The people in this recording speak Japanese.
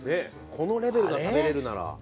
このレベルが食べれるなら。